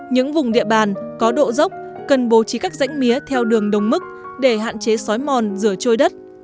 những vùng địa bàn có độ dốc cần bố trí các rãnh mía theo đường đồng mức để hạn chế xói mòn rửa trôi đất